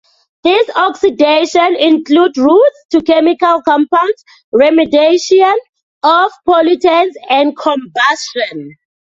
These oxidation include routes to chemical compounds, remediation of pollutants, and combustion.